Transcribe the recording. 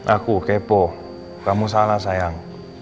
aku kepo kamu salah sayang